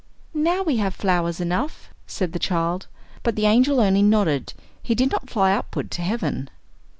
"Now we have flowers enough," said the child; but the angel only nodded, he did not fly upward to heaven.